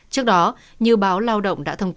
trước đó như báo lao